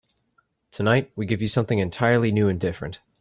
Tonight we give you something entirely new and different.